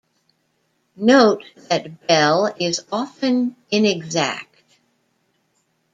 Note that Bell is often inexact.